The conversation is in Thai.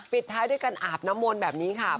ท้ายด้วยการอาบน้ำมนต์แบบนี้ค่ะ